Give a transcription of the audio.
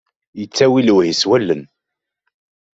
Yettawi lewhi s wallen.